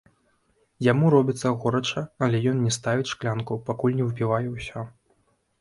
Яму робіцца горача, але ён не ставіць шклянку, пакуль не выпівае ўсё.